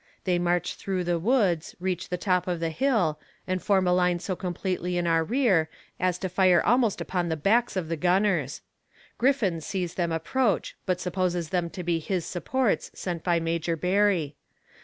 They march through the woods, reach the top of the hill, and form a line so completely in our rear as to fire almost upon the backs of the gunners. Griffin sees them approach, but supposes them to be his supports sent by Major Barry.